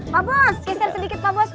pak bos geser sedikit pak bos